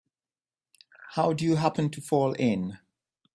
How'd you happen to fall in?